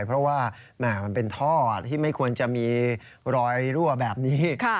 เพราะว่ามันเป็นท่อที่ไม่ควรจะมีรอยรั่วแบบนี้